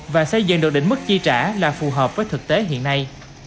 và xây dựng được định mức chi trả là phù hợp với thực tế hiện nay